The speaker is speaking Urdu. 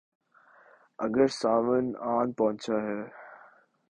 اگر ساون آن پہنچا ہے۔